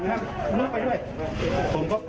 เอ้ยอาวุธก่อน